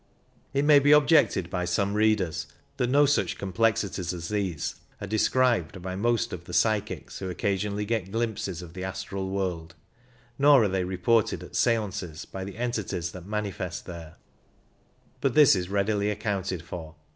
It may be objected by some readers that no such com plexities as these are described by most of the psychics who occasionally get glimpses of the astral world, nor are they reported at seances by the entities that manifest there ; but this is readily accounted for.